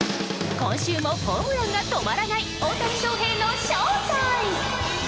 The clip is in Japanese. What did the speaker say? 今週もホームランが止まらない大谷翔平の翔タイム。